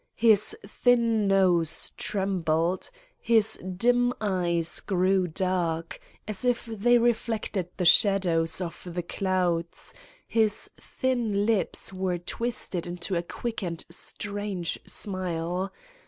His thin nose trembled, his dim eyes grew dark, as if they re flected the shadows of the clouds, his thin lips were twisted into a quick and strange smile.